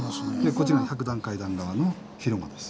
こっちが百段階段側の広間です。